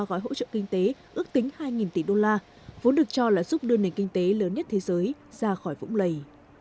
gói hỗ trợ kinh tế ước tính hai tỷ đô la vốn được cho là giúp đưa nền kinh tế lớn nhất thế giới ra khỏi vũng lầy